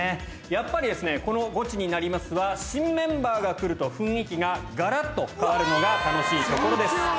やっぱりこの「ゴチになります！」は新メンバーが来ると雰囲気ががらっと変わるのが楽しいところです。